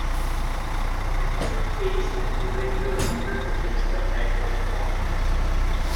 Their regular pace and irregular meter depicts the act of walking.